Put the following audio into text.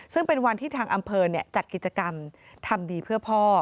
ซึ่งเป็นวันที่ทางอำเภอจัดกิจกรรมทำดีเพื่อพ่อ